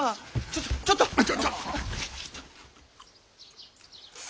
ちょっとちょっと！